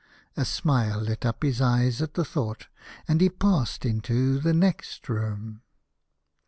A smile lit up his eyes at the thought, and he passed into the next room.